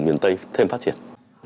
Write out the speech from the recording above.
miền tây thêm phát triển